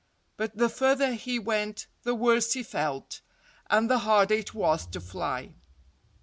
But the further he went, the worse he felt—and the harder it was to fly.